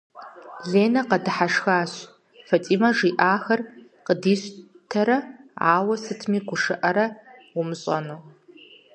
Ленэ къэдыхьэшхащ, Фатимэ жиӀахэр дищтэрэ ауэ сытми гушыӀэрэ умыщӀэну.